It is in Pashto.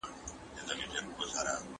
بریا یوازې په دعا نه، په هڅه ده.